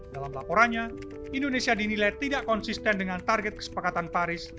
dalam laporannya indonesia dinilai tidak konsisten dengan target kesepakatan paris